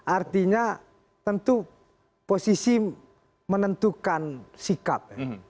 artinya tentu posisi menentukan sikap